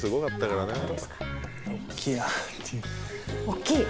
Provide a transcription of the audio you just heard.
大っきい！